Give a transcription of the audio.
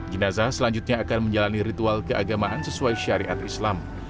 jenazah selanjutnya akan menjalani ritual keagamaan sesuai syariat islam